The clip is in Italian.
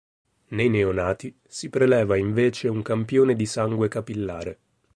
Nei neonati, si preleva invece un campione di sangue capillare.